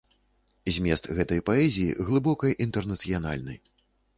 Змест гэтай паэзіі глыбока інтэрнацыянальны.